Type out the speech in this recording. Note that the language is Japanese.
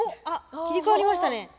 あっ切り替わりましたね。